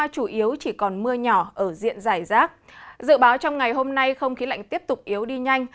trong ngày hôm nay không khí lạnh tiếp tục yếu đi nhanh